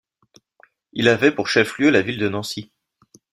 Il avait pour chef-lieu la ville de Nancy.